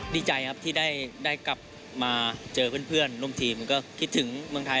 ดีใจครับที่ได้กลับมาเจอเพื่อนร่วมทีมก็คิดถึงเมืองไทย